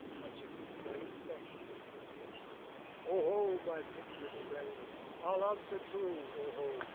Which of these names best pleases you'?'' " 0 ho ! my pretty little maid. I'll answer true, 0 ho